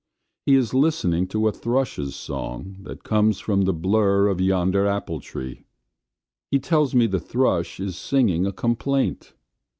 He is listening to a thrush's song that comes from the blur of yonder apple tree. He tells me the thrush is singing a complaint.